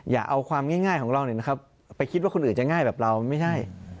อย่าเอาความง่ายง่ายของเราหนึ่งนะครับไปคิดว่าคนอื่นจะง่ายแบบเราไม่ใช่